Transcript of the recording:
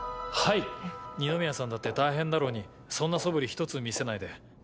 二宮さんだって大変だろうにそんなそぶりひとつ見せないで。